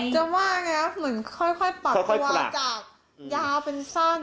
จะว่าอย่างนี้นะครับเหมือนค่อยปรับตัวจากยาเป็นสั้น